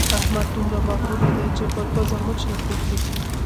احمد دومره مغروره دی چې پر پزه مچ نه پرېږدي.